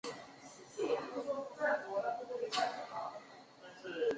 霍伊克瓦尔德是德国图林根州的一个市镇。